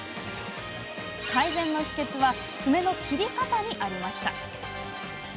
改善の秘けつは爪の切り方にありました。